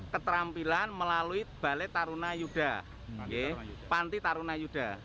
keterampilan melalui balai tarunayuda panti tarunayuda